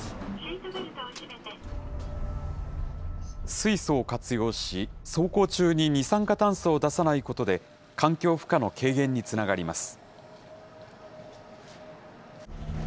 水素を活用し、走行中に二酸化炭素を出さないことで、環境負荷の軽減につながります。